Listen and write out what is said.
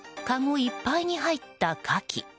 かごいっぱいに入ったカキ。